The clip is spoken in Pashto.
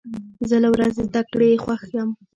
زه له ورځې زده کړې خوښ یم.